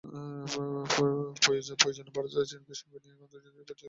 প্রয়োজনে ভারত চীনকে সঙ্গে নিয়ে আন্তর্জাতিক পর্যায়ে বিষয়টি নিয়ে কাজ করা।